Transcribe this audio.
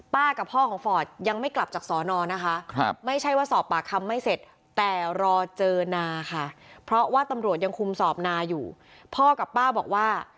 ป้ากับพ่อของฟอร์ดยังไม่กลับจากสนนะคะ